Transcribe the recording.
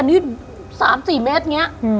อื้อ